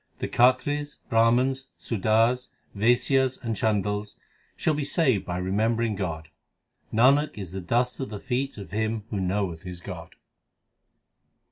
The Khatris, Brahmans, Sudars, Vaisyas, and Chandals shall be saved by remembering God. Nanak is the dust of the feet of him who knoweth his God.